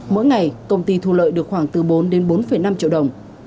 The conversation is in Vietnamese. mỗi ngày công ty thu lợi được khoảng từ bốn đến bốn năm triệu đồng